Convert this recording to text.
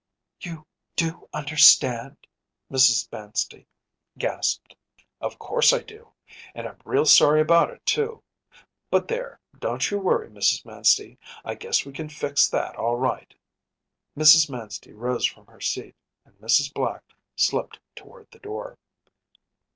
‚ÄĚ “You do understand?‚ÄĚ Mrs. Manstey gasped. “Of course I do. And I’m real sorry about it, too. But there, don’t you worry, Mrs. Manstey. I guess we can fix that all right.‚ÄĚ Mrs. Manstey rose from her seat, and Mrs. Black slipped toward the door.